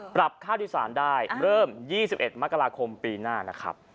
ค่าโดยสารได้เริ่ม๒๑มกราคมปีหน้านะครับ